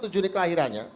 satu juni kelahirannya